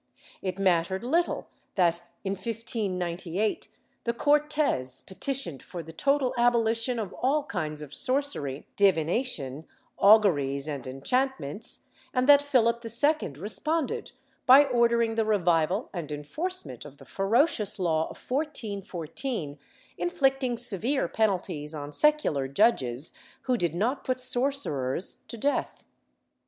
It mattered little that, in 159S, the Cortes petitioned for the total abolition of all kinds of sorcery, divination, auguries and enchantments, and that Philip II responded by ordering the revival and enforcement of the ferocious law of 1414 inflicting severe penalties on secular judges who did not put sorcerers to death.